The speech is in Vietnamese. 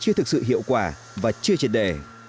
với thực sự hiệu quả và chưa triển đề